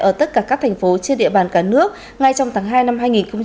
ở tất cả các thành phố trên địa bàn cả nước ngay trong tháng hai năm hai nghìn hai mươi